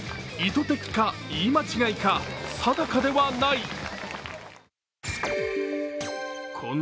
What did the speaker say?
意図的か、言い間違いか定かではない。